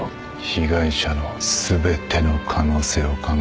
被害者の全ての可能性を考えてみろ